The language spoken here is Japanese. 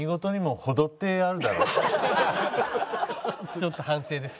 ちょっと反省です。